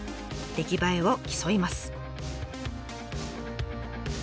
出来栄えを競います。